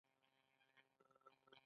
د ژبې او لهجو ژغورنې ته اړتیا وه.